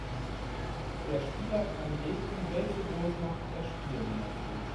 Der Spieler kann wählen, welche Großmacht er spielen möchte.